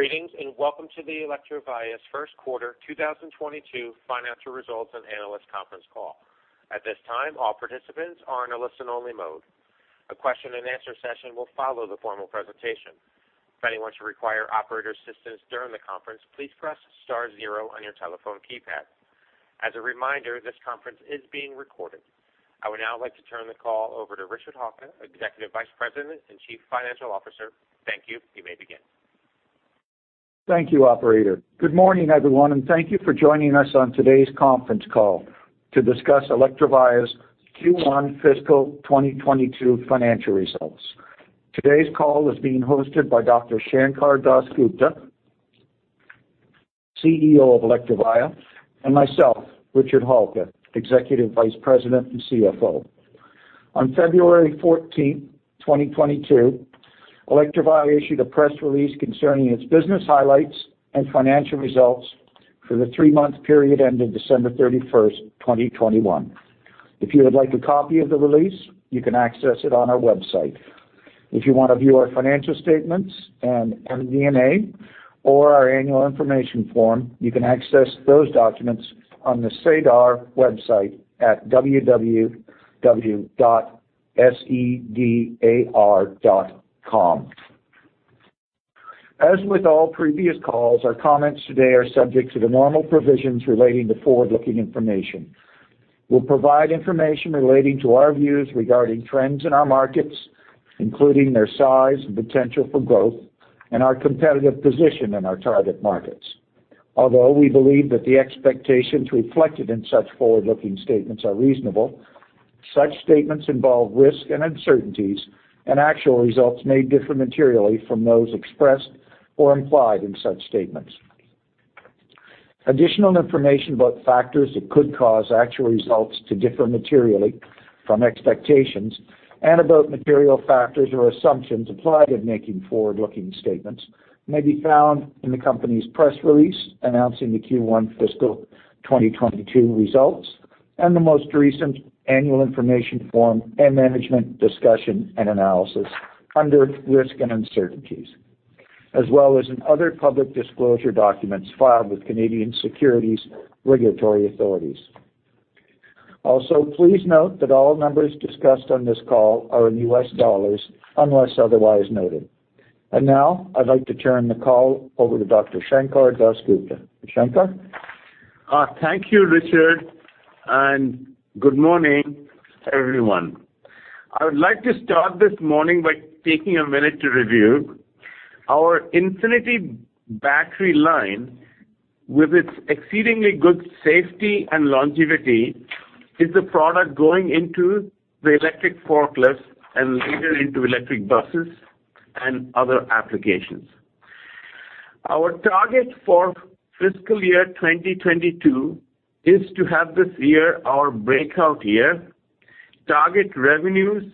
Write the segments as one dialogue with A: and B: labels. A: Greetings, and welcome to Electrovaya's first quarter 2022 financial results and analyst conference call. At this time, all participants are in a listen-only mode. A question-and-answer session will follow the formal presentation. If anyone should require operator assistance during the conference, please press star zero on your telephone keypad. As a reminder, this conference is being recorded. I would now like to turn the call over to Richard Halka, Executive Vice President and Chief Financial Officer. Thank you. You may begin.
B: Thank you, operator. Good morning, everyone, and thank you for joining us on today's conference call to discuss Electrovaya's Q1 fiscal 2022 financial results. Today's call is being hosted by Dr. Sankar Das Gupta, CEO of Electrovaya, and myself, Richard Halka, Executive Vice President and CFO. On February 14th, 2022, Electrovaya issued a press release concerning its business highlights and financial results for the three-month period ending December 31st, 2021. If you would like a copy of the release, you can access it on our website. If you wanna view our financial statements and MD&A or our annual information form, you can access those documents on the SEDAR website at www.sedar.com. As with all previous calls, our comments today are subject to the normal provisions relating to forward-looking information. We'll provide information relating to our views regarding trends in our markets, including their size and potential for growth and our competitive position in our target markets. Although we believe that the expectations reflected in such forward-looking statements are reasonable, such statements involve risks and uncertainties, and actual results may differ materially from those expressed or implied in such statements. Additional information about factors that could cause actual results to differ materially from expectations and about material factors or assumptions applied in making forward-looking statements may be found in the company's press release announcing the Q1 fiscal 2022 results and the most recent Annual Information Form and Management Discussion and Analysis under Risks and Uncertainties, as well as in other public disclosure documents filed with Canadian securities regulatory authorities. Please note that all numbers discussed on this call are in U.S. dollars, unless otherwise noted. Now, I'd like to turn the call over to Dr. Sankar Das Gupta. Sankar?
C: Thank you, Richard, and good morning, everyone. I would like to start this morning by taking a minute to review our Infinity battery line with its exceedingly good safety and longevity. It is the product going into the electric forklifts and later into electric buses and other applications. Our target for fiscal year 2022 is to have this year our breakout year, target revenues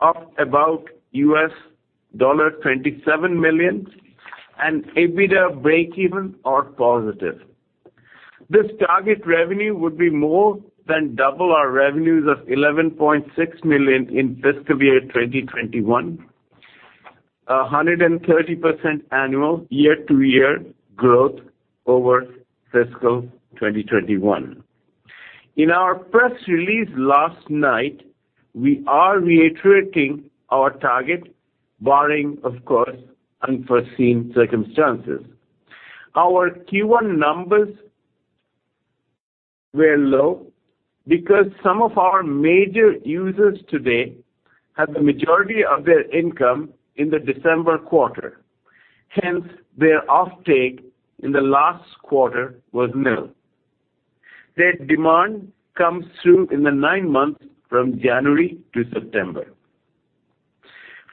C: of about $27 million and EBITDA breakeven or positive. This target revenue would be more than double our revenues of $11.6 million in fiscal year 2021, 130% annual year-to-year growth over fiscal 2021. In our press release last night, we are reiterating our target, barring, of course, unforeseen circumstances. Our Q1 numbers were low because some of our major users today have the majority of their income in the December quarter. Hence, their offtake in the last quarter was nil. Their demand comes through in the nine months from January to September.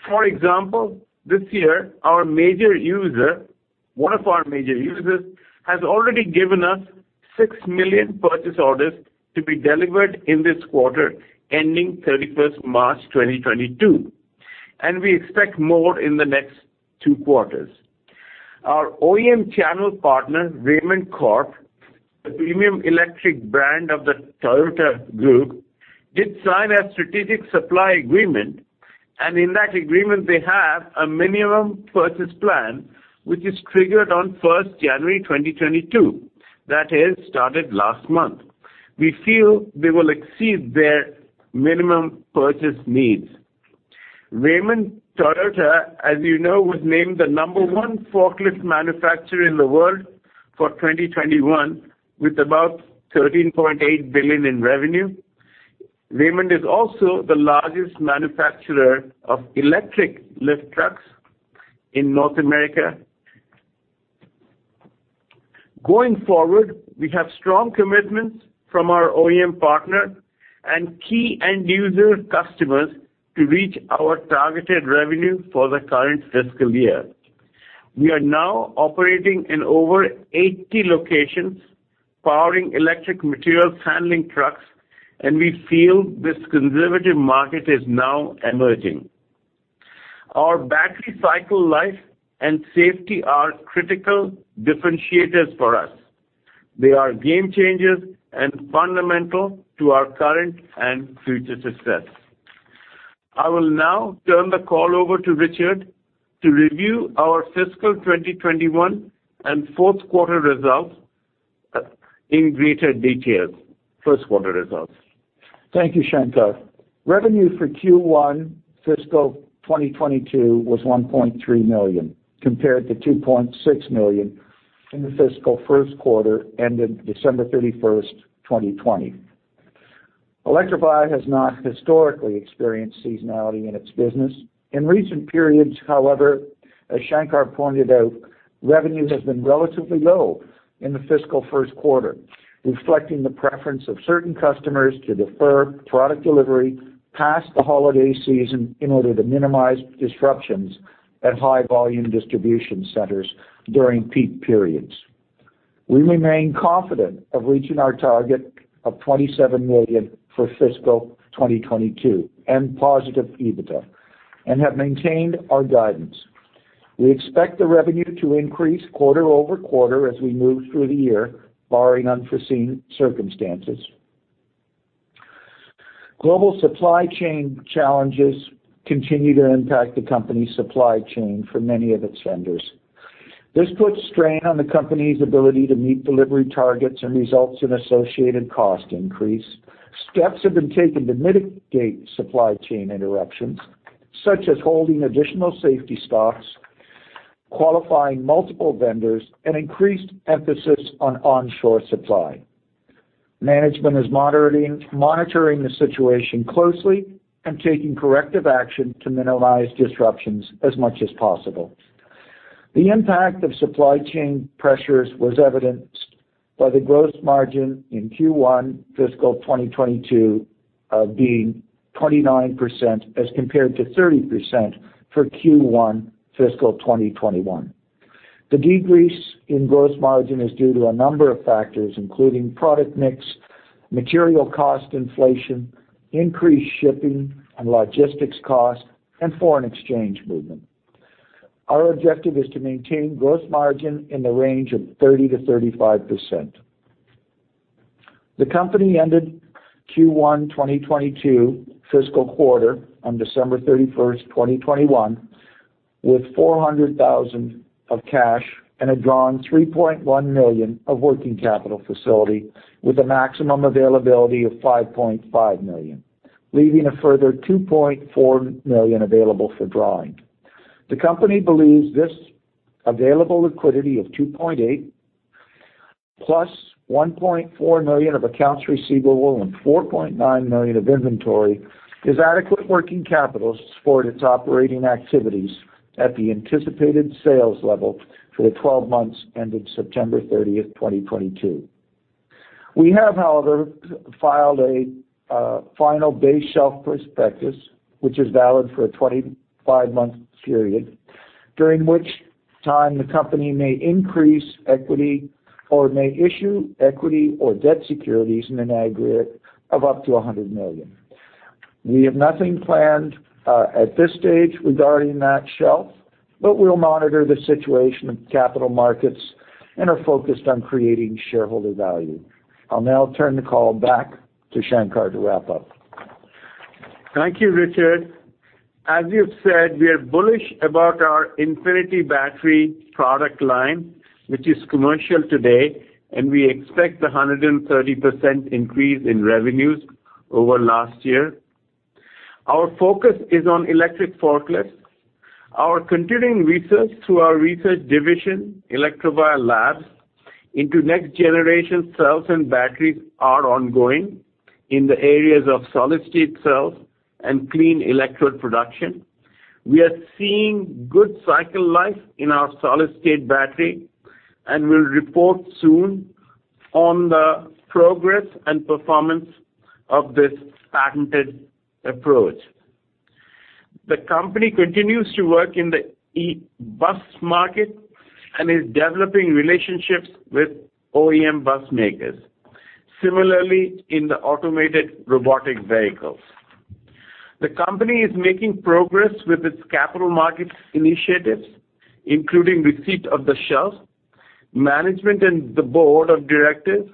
C: For example, this year, our major user, one of our major users, has already given us $6 million purchase orders to be delivered in this quarter ending March 31st, 2022, and we expect more in the next two quarters. Our OEM channel partner, Raymond Corp, the premium electric brand of the Toyota group, did sign a strategic supply agreement, and in that agreement they have a minimum purchase plan, which is triggered on January 1st, 2022. That is started last month. We feel they will exceed their minimum purchase needs. Raymond-Toyota, as you know, was named the number one forklift manufacturer in the world for 2021 with about $13.8 billion in revenue. Raymond is also the largest manufacturer of electric lift trucks in North America. Going forward, we have strong commitments from our OEM partner and key end user customers to reach our targeted revenue for the current fiscal year. We are now operating in over 80 locations, powering electric material handling trucks, and we feel this conservative market is now emerging. Our battery cycle life and safety are critical differentiators for us. They are game changers and fundamental to our current and future success. I will now turn the call over to Richard to review our fiscal 2021 and fourth quarter results in greater detail. First quarter results.
B: Thank you, Sankar. Revenue for Q1 fiscal 2022 was $1.3 million compared to $2.6 million in the fiscal first quarter ending December 31st, 2020. Electrovaya has not historically experienced seasonality in its business. In recent periods, however, as Sankar pointed out, revenue has been relatively low in the fiscal first quarter, reflecting the preference of certain customers to defer product delivery past the holiday season in order to minimize disruptions at high volume distribution centers during peak periods. We remain confident of reaching our target of $27 million for fiscal 2022 and positive EBITDA and have maintained our guidance. We expect the revenue to increase quarter-over-quarter as we move through the year, barring unforeseen circumstances. Global supply chain challenges continue to impact the company's supply chain for many of its vendors. This puts strain on the company's ability to meet delivery targets and results in associated cost increase. Steps have been taken to mitigate supply chain interruptions, such as holding additional safety stocks, qualifying multiple vendors, and increased emphasis on onshore supply. Management is monitoring the situation closely and taking corrective action to minimize disruptions as much as possible. The impact of supply chain pressures was evidenced by the gross margin in Q1 fiscal 2022 being 29% as compared to 30% for Q1 fiscal 2021. The decrease in gross margin is due to a number of factors, including product mix, material cost inflation, increased shipping and logistics costs, and foreign exchange movement. Our objective is to maintain gross margin in the range of 30%-35%. The company ended Q1 2022 fiscal quarter on December 31st, 2021 with $400,000 of cash and had drawn $3.1 million of working capital facility with a maximum availability of $5.5 million, leaving a further $2.4 million available for drawing. The company believes this available liquidity of $2.8 million, plus $1.4 million of accounts receivable and $4.9 million of inventory is adequate working capital to support its operating activities at the anticipated sales level for the 12 months ending September 30th, 2022. We have, however, filed a final base shelf prospectus, which is valid for a 25-month period, during which time the company may increase equity or may issue equity or debt securities in an aggregate of up to $100 million. We have nothing planned at this stage regarding that shelf, but we'll monitor the situation of capital markets and are focused on creating shareholder value. I'll now turn the call back to Sankar to wrap up.
C: Thank you, Richard. As you've said, we are bullish about our Infinity battery product line, which is commercial today, and we expect 130% increase in revenues over last year. Our focus is on electric forklifts. Our continuing research through our research division, Electrovaya Labs, into next-generation cells and batteries are ongoing in the areas of solid-state cells and clean electrode production. We are seeing good cycle life in our solid-state battery and will report soon on the progress and performance of this patented approach. The company continues to work in the e-bus market and is developing relationships with OEM bus makers. Similarly, in the automated robotic vehicles. The company is making progress with its capital markets initiatives, including receipt of the shelf. Management and the Board of Directors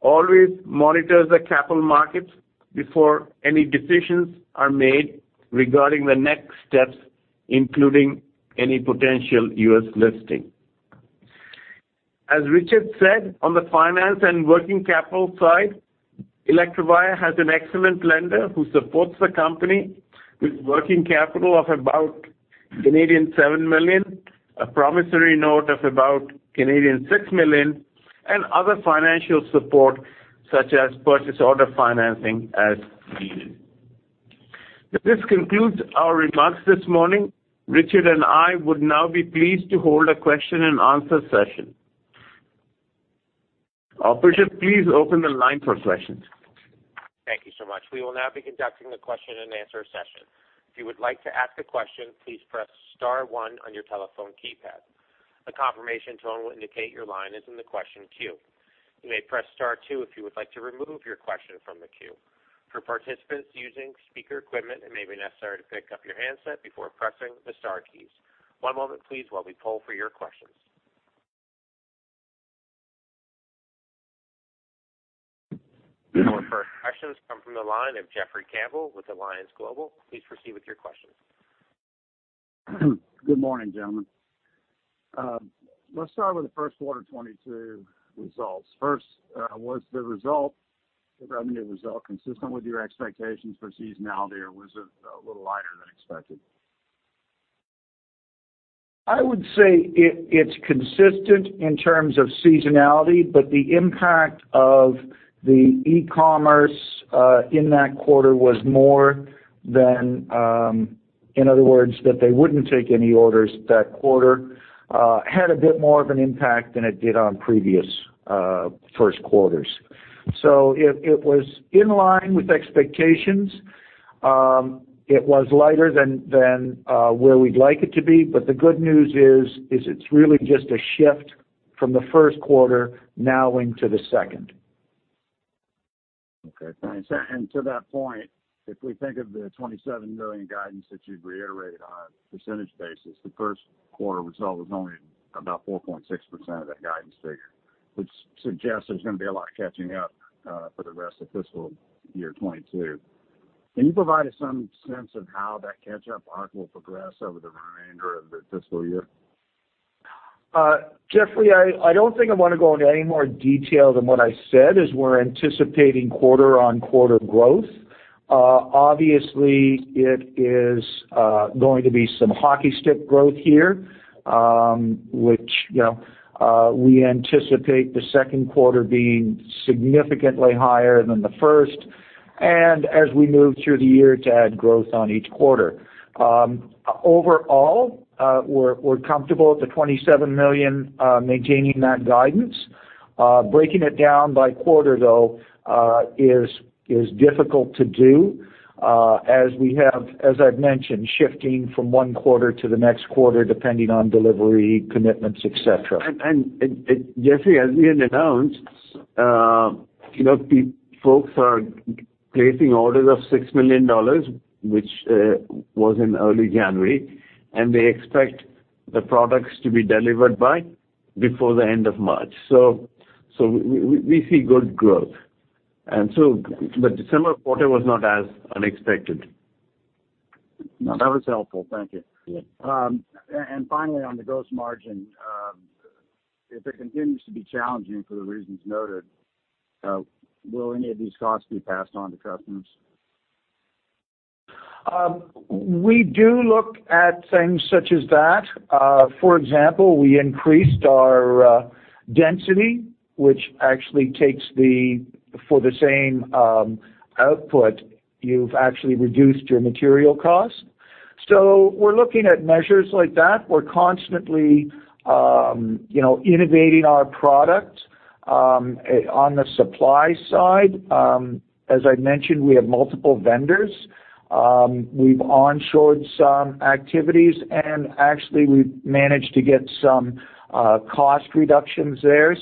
C: always monitors the capital markets before any decisions are made regarding the next steps, including any potential U.S. listing. As Richard said, on the finance and working capital side, Electrovaya has an excellent lender who supports the company with working capital of about 7 million, a promissory note of about 6 million, and other financial support such as purchase order financing as needed. This concludes our remarks this morning. Richard and I would now be pleased to hold a question-and-answer session. Operator, please open the line for questions.
A: Thank you so much. We will now be conducting the question-and-answer session. If you would like to ask a question, please press star one on your telephone keypad. A confirmation tone will indicate your line is in the question queue. You may press star two if you would like to remove your question from the queue. For participants using speaker equipment, it may be necessary to pick up your handset before pressing the star keys. One moment please while we poll for your questions. Our first questions come from the line of Jeffrey Campbell with Alliance Global. Please proceed with your question.
D: Good morning, gentlemen. Let's start with the first quarter 2022 results. First, was the result, the revenue result consistent with your expectations for seasonality, or was it a little lighter than expected?
B: I would say it's consistent in terms of seasonality, but the impact of the e-commerce in that quarter was more than, in other words, that they wouldn't take any orders that quarter had a bit more of an impact than it did on previous first quarters. It was in line with expectations. It was lighter than where we'd like it to be, but the good news is it's really just a shift from the first quarter now into the second.
D: Okay. To that point, if we think of the $27 million guidance that you've reiterated on a percentage basis, the first quarter result was only about 4.6% of that guidance figure, which suggests there's gonna be a lot of catching up for the rest of fiscal year 2022. Can you provide us some sense of how that catch-up arc will progress over the remainder of the fiscal year?
B: Jeffrey, I don't think I wanna go into any more detail than what I said, is we're anticipating quarter-on-quarter growth. Obviously, it is going to be some hockey stick growth here, which, you know, we anticipate the second quarter being significantly higher than the first. As we move through the year, to add growth on each quarter. Overall, we're comfortable at the $27 million, maintaining that guidance. Breaking it down by quarter, though, is difficult to do, as we have, as I've mentioned, shifting from one quarter to the next quarter, depending on delivery, commitments, et cetera.
C: Jeffrey, as we had announced, you know, folks are placing orders of $6 million, which was in early January, and they expect the products to be delivered by before the end of March. We see good growth. The December quarter was not as unexpected.
D: No, that was helpful. Thank you.
C: Yeah.
D: Finally, on the gross margin, if it continues to be challenging for the reasons noted, will any of these costs be passed on to customers?
B: We do look at things such as that. For example, we increased our density, which actually, for the same output, you've actually reduced your material cost. We're looking at measures like that. We're constantly, you know, innovating our product on the supply side. As I mentioned, we have multiple vendors. We've onshored some activities, and actually, we've managed to get some cost reductions there.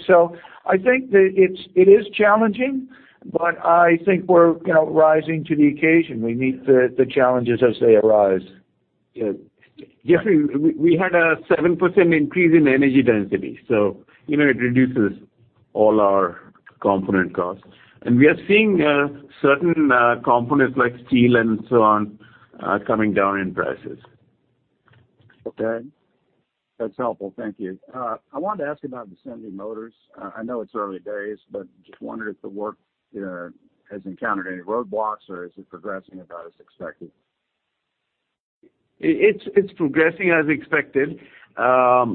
B: I think that it is challenging, but I think we're, you know, rising to the occasion. We meet the challenges as they arise.
C: Yeah. Jeffrey, we had a 7% increase in energy density, so, you know, it reduces all our component costs. We are seeing certain components, like steel and so on, coming down in prices.
D: Okay. That's helpful. Thank you. I wanted to ask about Vicinity Motors. I know it's early days, but just wondering if the work has encountered any roadblocks, or is it progressing about as expected?
C: It's progressing as expected. A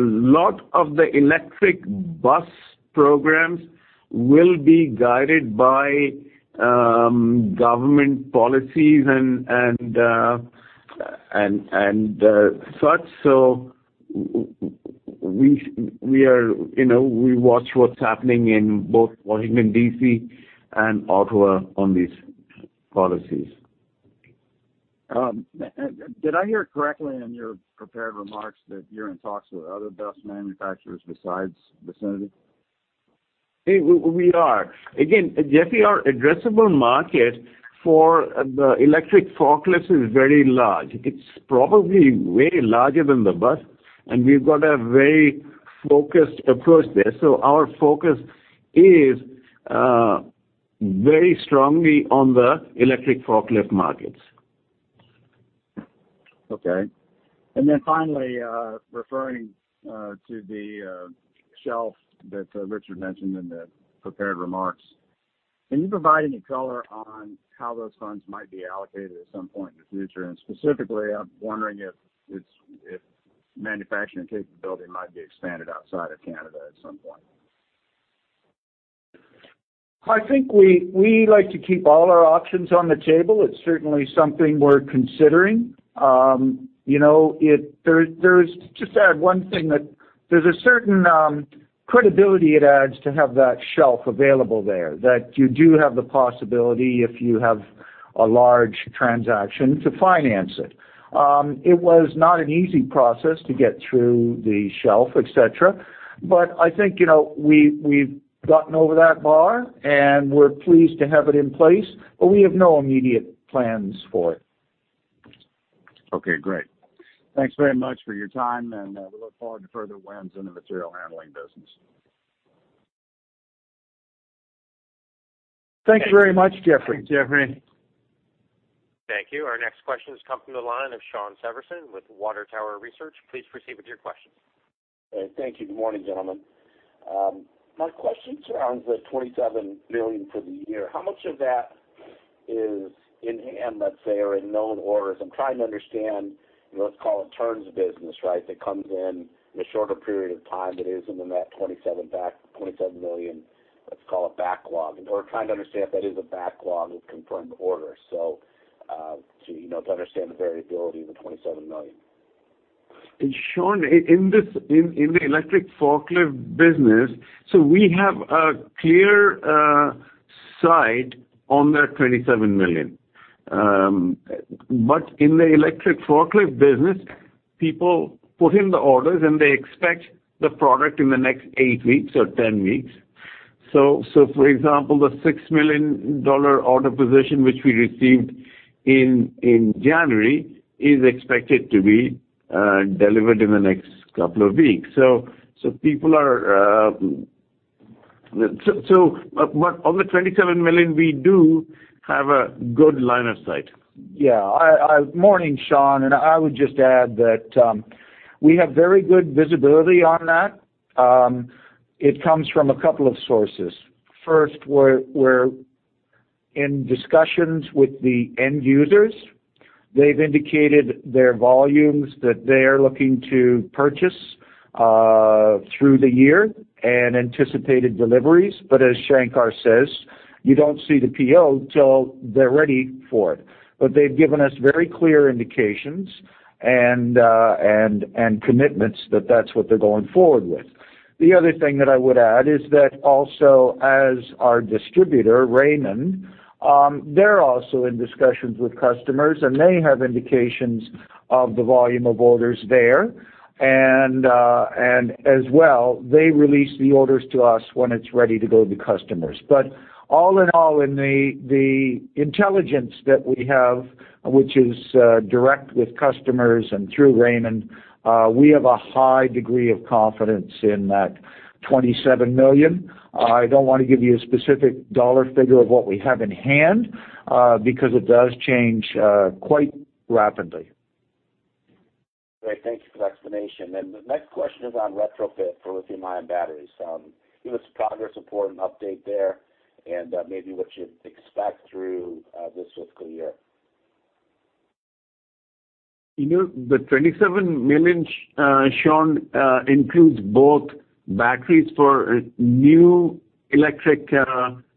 C: lot of the electric bus programs will be guided by government policies and such, so we are, you know, we watch what's happening in both Washington, D.C., and Ottawa on these policies.
D: Did I hear correctly on your prepared remarks that you're in talks with other bus manufacturers besides Vicinity?
C: Again, Jeffrey, our addressable market for the electric forklifts is very large. It's probably way larger than the bus, and we've got a very focused approach there. Our focus is very strongly on the electric forklift markets.
D: Okay. Finally, referring to the shelf that Richard mentioned in the prepared remarks, can you provide any color on how those funds might be allocated at some point in the future? Specifically, I'm wondering if manufacturing capability might be expanded outside of Canada at some point.
B: I think we like to keep all our options on the table. It's certainly something we're considering. Just add one thing that there's a certain credibility it adds to have that shelf available there, that you do have the possibility, if you have a large transaction, to finance it. It was not an easy process to get through the shelf, et cetera, but I think, you know, we've gotten over that bar, and we're pleased to have it in place, but we have no immediate plans for it.
D: Okay, great. Thanks very much for your time, and we look forward to further wins in the material handling business.
C: Thank you very much, Jeffrey.
B: Thanks, Jeffrey.
A: Thank you. Our next question has come from the line of Shawn Severson with Water Tower Research. Please proceed with your questions.
E: Thank you. Good morning, gentlemen. My question surrounds the $27 million for the year. How much of that is in hand, let's say, or in known orders? I'm trying to understand, let's call it turns business, right? That comes in a shorter period of time that is in the $27 million, let's call it backlog. We're trying to understand if that is a backlog of confirmed orders. To, you know, to understand the variability of the $27 million.
C: Shawn, in the electric forklift business. We have a clear sight on that $27 million. In the electric forklift business, people put in the orders and they expect the product in the next eight weeks or 10 weeks. For example, the $6 million order position which we received in January is expected to be delivered in the next couple of weeks. On the $27 million, we do have a good line of sight.
B: Yeah. Morning, Shawn. I would just add that we have very good visibility on that. It comes from a couple of sources. First, we're in discussions with the end users. They've indicated their volumes that they are looking to purchase through the year and anticipated deliveries. As Sankar says, you don't see the PO till they're ready for it. They've given us very clear indications and commitments that that's what they're going forward with. The other thing that I would add is that also as our distributor, Raymond, they're also in discussions with customers, and they have indications of the volume of orders there. As well, they release the orders to us when it's ready to go to customers. All-in-all, in the intelligence that we have, which is direct with customers and through Raymond, we have a high degree of confidence in that $27 million. I don't want to give you a specific dollar figure of what we have in hand, because it does change quite rapidly.
E: Great. Thank you for the explanation. The next question is on retrofit for lithium-ion batteries. Give us progress report and update there and, maybe what you'd expect through this fiscal year.
C: You know, the $27 million, Shawn, includes both batteries for new electric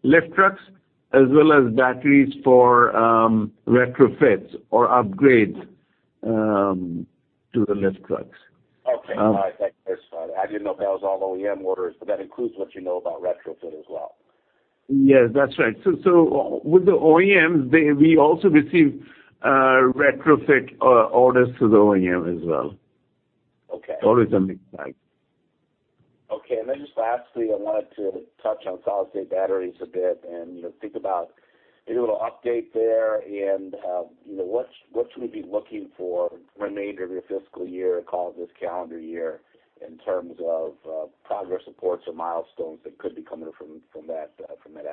C: lift trucks as well as batteries for retrofits or upgrades to the lift trucks.
E: Okay. All right. Thanks. I didn't know if that was all OEM orders, but that includes what you know about retrofit as well.
C: Yes, that's right. With the OEMs, we also receive retrofit orders to the OEM as well.
E: Okay.
C: Orders on the side.
E: Okay. Just lastly, I wanted to touch on solid-state batteries a bit and, you know, think about, you know, a little update there and, you know, what should we be looking for remainder of your fiscal year, call it this calendar year, in terms of, progress reports or milestones that could be coming from that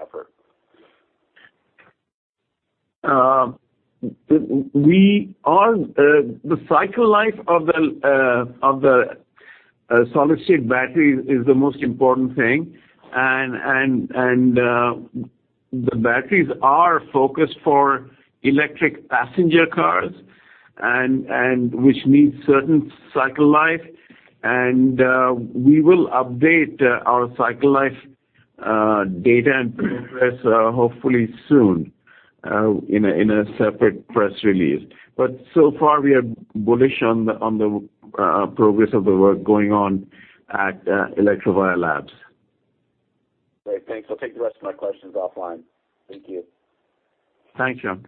E: effort?
C: The cycle life of the solid-state batteries is the most important thing. The batteries are focused for electric passenger cars and which needs certain cycle life. We will update our cycle life data and progress hopefully soon in a separate press release. So far, we are bullish on the progress of the work going on at Electrovaya Labs.
E: Great. Thanks. I'll take the rest of my questions offline. Thank you.
C: Thanks, Shawn.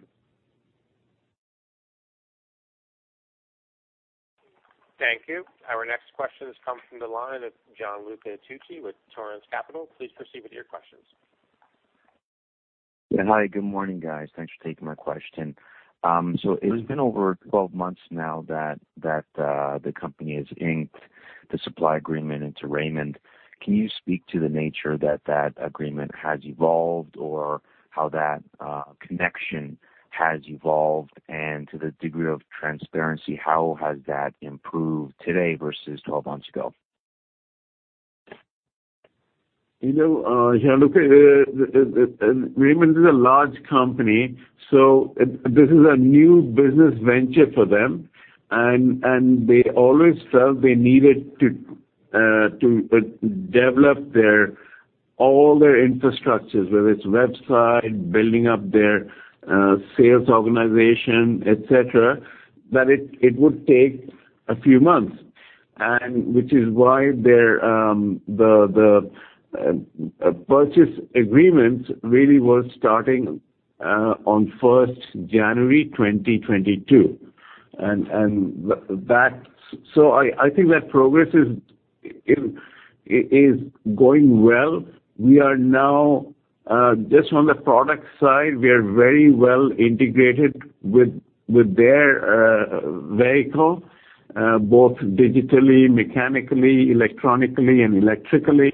A: Thank you. Our next question has come from the line of Gianluca Tucci with Torrent Capital. Please proceed with your questions.
F: Hi, good morning, guys. Thanks for taking my question. So it's been over 12 months now that the company has inked the supply agreement with Raymond. Can you speak to the nature that agreement has evolved or how that connection has evolved? To the degree of transparency, how has that improved today versus 12 months ago?
C: You know, Gianluca, Raymond is a large company, so this is a new business venture for them. They always felt they needed to develop all their infrastructures, whether it's website, building up their sales organization, et cetera, that it would take a few months. Which is why their purchase agreements really were starting on 1st January 2022. That. So I think that progress is going well. We are now just on the product side, we are very well integrated with their vehicle both digitally, mechanically, electronically, and electrically.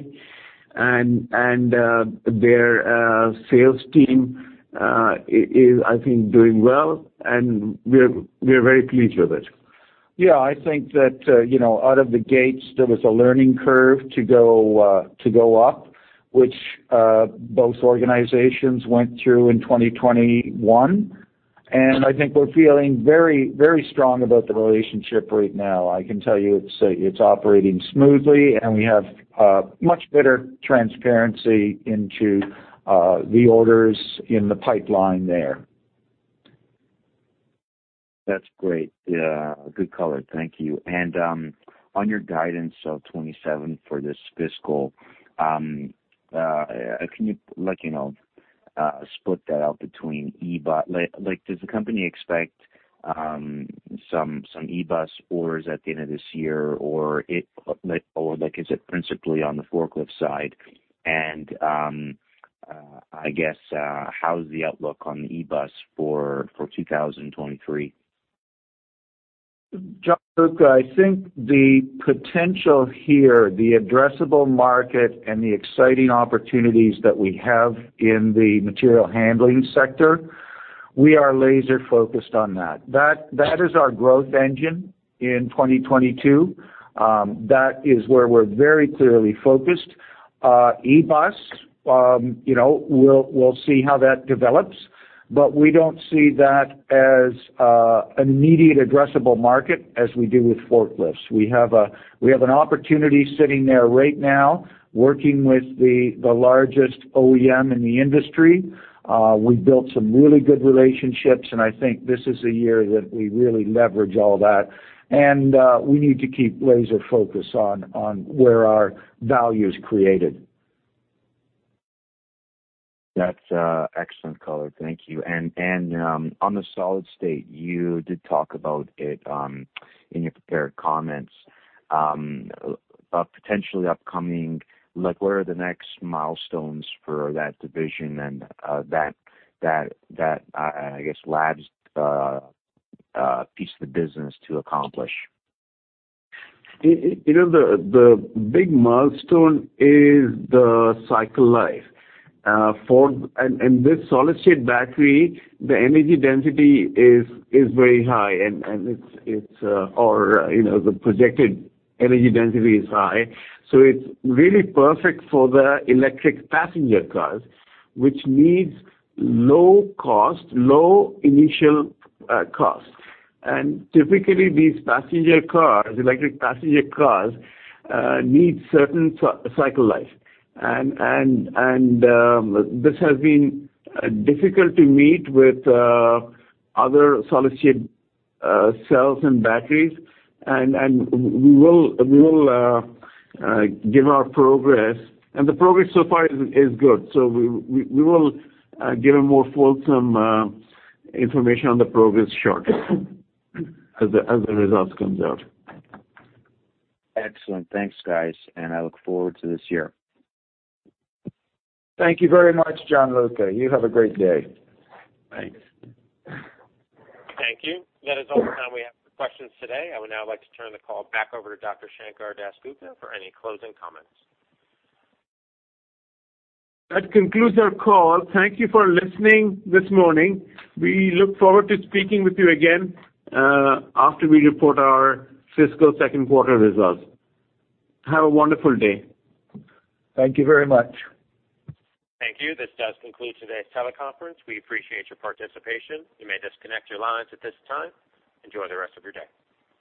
C: Their sales team is, I think, doing well, and we're very pleased with it.
B: Yeah, I think that, you know, out of the gates, there was a learning curve to go up, which both organizations went through in 2021. I think we're feeling very, very strong about the relationship right now. I can tell you it's operating smoothly, and we have a much better transparency into the orders in the pipeline there.
F: That's great. Yeah. Good color. Thank you. On your guidance of 27 for this fiscal, can you like, you know, split that out between e-bus? Like, does the company expect some e-bus orders at the end of this year, or is it principally on the forklift side? I guess, how's the outlook on the e-bus for 2023?
B: Gianluca, I think the potential here, the addressable market and the exciting opportunities that we have in the material handling sector, we are laser focused on that. That is our growth engine in 2022. That is where we're very clearly focused. e-bus, you know, we'll see how that develops, but we don't see that as an immediate addressable market as we do with forklifts. We have an opportunity sitting there right now working with the largest OEM in the industry. We built some really good relationships, and I think this is a year that we really leverage all that. We need to keep laser focus on where our value is created.
F: That's excellent color. Thank you. On the solid-state, you did talk about it in your prepared comments. A potentially upcoming, like what are the next milestones for that division and that I guess Labs piece of the business to accomplish?
C: You know, the big milestone is the cycle life. This solid-state battery, the energy density is very high, and it's, you know, the projected energy density is high. It's really perfect for the electric passenger cars, which needs low cost, low initial cost. Typically, these passenger cars, electric passenger cars, need certain cycle life. This has been difficult to meet with other solid-state cells and batteries. We will give our progress. The progress so far is good. We will give a more fulsome information on the progress shortly as the results comes out.
F: Excellent. Thanks, guys. I look forward to this year.
B: Thank you very much, Gianluca. You have a great day.
F: Thanks.
A: Thank you. That is all the time we have for questions today. I would now like to turn the call back over to Dr. Sankar Das Gupta for any closing comments.
C: That concludes our call. Thank you for listening this morning. We look forward to speaking with you again, after we report our fiscal second quarter results. Have a wonderful day.
B: Thank you very much.
A: Thank you. This does conclude today's teleconference. We appreciate your participation. You may disconnect your lines at this time. Enjoy the rest of your day.